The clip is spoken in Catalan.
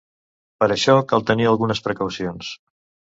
Per això cal tenir algunes precaucions.